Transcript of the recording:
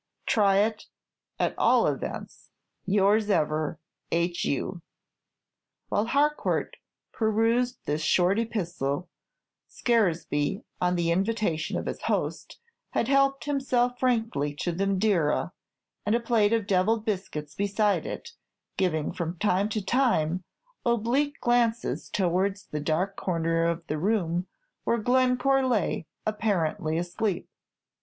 Try it, at all events. Yours ever, H. U. While Harcourt perused this short epistle, Scaresby, on the invitation of his host, had helped himself freely to the Madeira, and a plate of devilled biscuits beside it, giving, from time to time, oblique glances towards the dark corner of the room, where Glencore lay, apparently asleep.